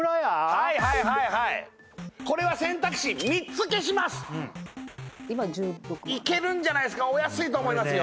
はいはいはいはいこれは選択肢３つ消しますいけるんじゃないですかお安いと思いますよ